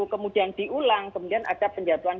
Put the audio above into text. kemudian diulang kemudian ada penjatuhan